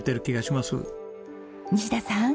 西田さん。